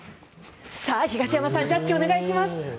さあ、東山さんジャッジをお願いします。